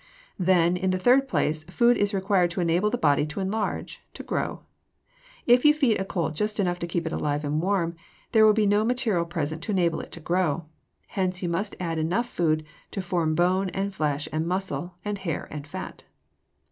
Then, in the third place, food is required to enable the body to enlarge to grow. If you feed a colt just enough to keep it alive and warm, there will be no material present to enable it to grow; hence you must add enough food to form bone and flesh and muscle and hair and fat.